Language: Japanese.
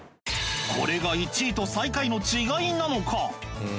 これが１位と最下位の違いなのか？